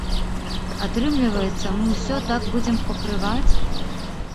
Атрымліваецца, мы ўсё так будзем пакрываць?